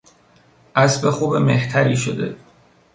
اسب خوب مهتری شده